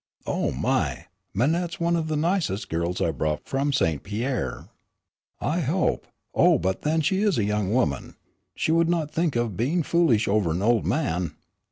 "Oh my! Manette's one of the nicest girls I brought from St. Pierre. I hope oh, but then she is a young woman, she would not think of being foolish over an old man."